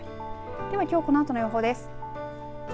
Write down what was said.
ではきょうこのあとの予報です。